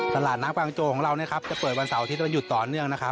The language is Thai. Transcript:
ตลาดน้ำบางโจของเรานะครับจะเปิดวันเสาร์อาทิตย์วันหยุดต่อเนื่องนะครับ